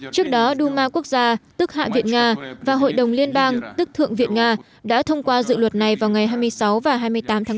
trước đó đuma quốc gia và hội đồng liên bang đã thông qua dự luật này vào ngày hai mươi sáu và hai mươi tám tháng bảy